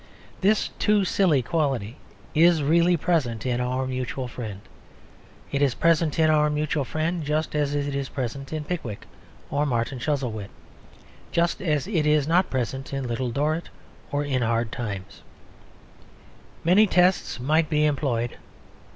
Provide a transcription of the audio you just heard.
This "too silly" quality is really present in Our Mutual Friend. It is present in Our Mutual Friend just as it is present in Pickwick, or Martin Chuzzlewit; just as it is not present in Little Dorrit or in Hard Times. Many tests might be employed.